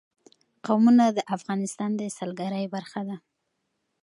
قومونه د افغانستان د سیلګرۍ برخه ده.